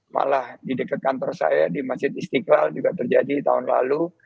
malah di dekat kantor saya di masjid istiqlal juga terjadi tahun lalu